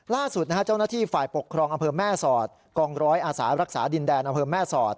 ล่าสุดนะฮะเจ้าหน้าที่ฝ่ายปกครองอำเภอแม่สอดกองร้อยอาสารักษาดินแดนอำเภอแม่สอด